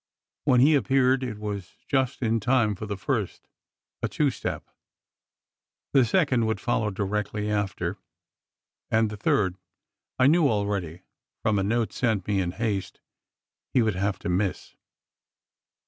When he appeared it was just in time for the first, a two step. The second would follow directly after, and the third I knew already, from a note sent me in haste, he would have to miss.